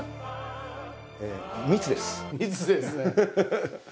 密ですね。